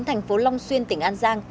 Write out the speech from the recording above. thành phố long xuyên tỉnh an giang